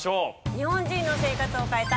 日本人の生活を変えた！